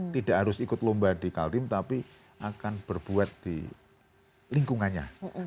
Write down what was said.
tidak harus ikut lomba di kaltim tapi akan berbuat di lingkungannya